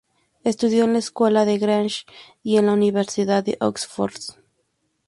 Estudió en la Escuela Gresham y en la Universidad de Oxford.